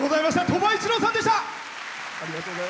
鳥羽一郎さんでした。